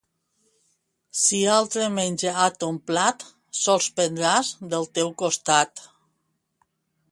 Si altre menja a ton plat, sols prendràs del teu costat.